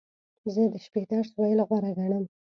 زه د شپې درس ویل غوره ګڼم.